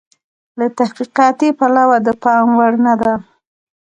له تحقیقاتي پلوه د پام وړ نه ده.